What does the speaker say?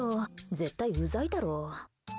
絶対ウザいだろ。